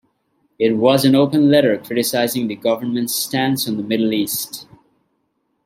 It was an open letter criticising the government's stance on the Middle East.